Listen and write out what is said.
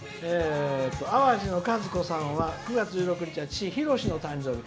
淡路のかずこさんは９月１６日は父、ひろしの誕生日。